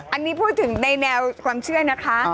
อันนี้พูดถึงในแนวความเชื่อนะคะ